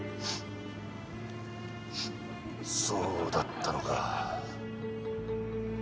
そうだったのか。